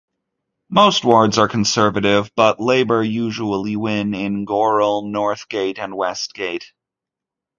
Most wards are Conservative, but Labour usually win in Gorrell, Northgate and Westgate.